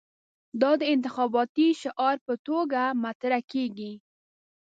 دا د انتخاباتي شعار په توګه مطرح کېږي.